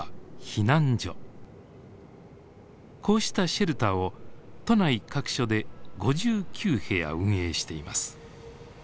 こうしたシェルターを都内各所で５９部屋運営しています。